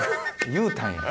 言うたんや。